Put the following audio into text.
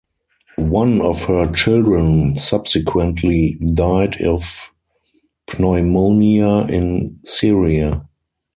One of her children subsequently died of pneumonia in Syria.